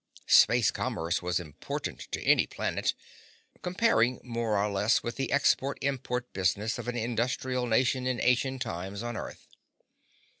Space commerce was important to any planet, comparing more or less with the export import business of an industrial nation in ancient times on Earth.